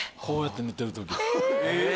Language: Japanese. こうやって寝てる時。